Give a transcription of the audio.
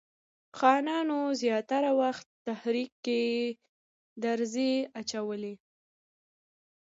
خانانو زیاتره وخت تحریک کې درز اچولی.